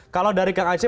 kalau dari kang haci